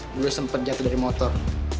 gue sempet jatuh dari motor